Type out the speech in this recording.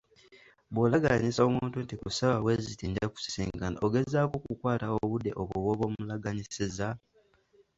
Bw'olagaanyisa omuntu nti ku ssaawa bwe ziti nja kukusisinkana, ogezaako okukukwata obudde obwo bw'omulaganyiisizza?